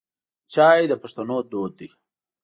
چای د پښتنو دود دی.